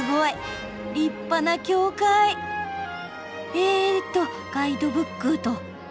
えとガイドブックと。